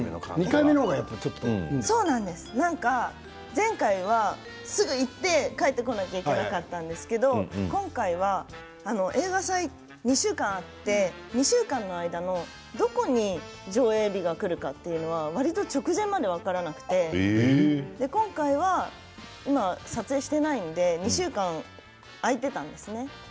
前回はすぐに行って帰ってこなきゃいけなかったんですけれど今回は映画祭が２週間あって２週間の間のどこに上映日が来るかというのはわりと直前まで分からなくて今回は今、撮影をしていないので２週間開いていたんですね。